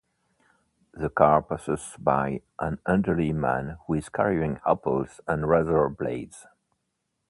The car passes by an elderly man who is carrying apples and razor blades.